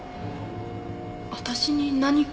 私に何か？